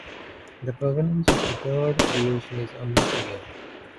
The provenance of the third creation is unclear.